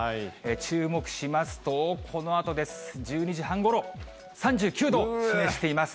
注目しますと、このあとです、１２時半ごろ、３９度を示しています。